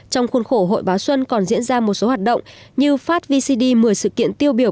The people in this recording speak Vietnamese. trong khuôn khổ hội báo xuân còn diễn ra một số hoạt động như phát vcd một mươi sự kiện tiêu biểu